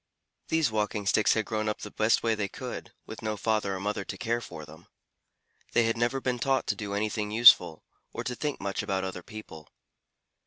These Walking Sticks had grown up the best way they could, with no father or mother to care for them. They had never been taught to do anything useful, or to think much about other people.